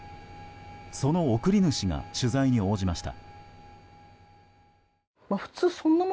その送り主が取材に応じました。